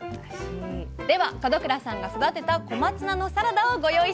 では門倉さんが育てた小松菜のサラダをご用意しました。